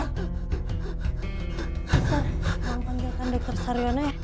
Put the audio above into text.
kak kamu panggilkan dokter saryono ya